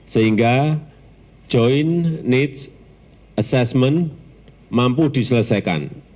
sehingga joint needs assessment mampu diselesaikan